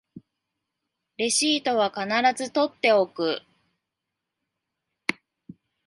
レシートは必ず取っておく